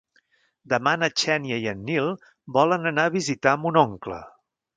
Demà na Xènia i en Nil volen anar a visitar mon oncle.